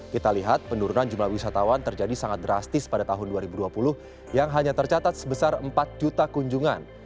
kita lihat penurunan jumlah wisatawan terjadi sangat drastis pada tahun dua ribu dua puluh yang hanya tercatat sebesar empat juta kunjungan